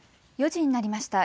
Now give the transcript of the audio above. ４時になりました。